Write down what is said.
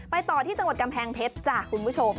ต่อที่จังหวัดกำแพงเพชรจ้ะคุณผู้ชม